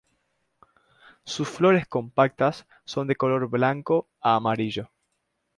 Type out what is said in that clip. Sus flores compactas son de color blanco a amarillo.